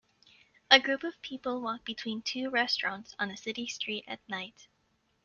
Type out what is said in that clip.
A group of people walk between two restaurants on a city street at night.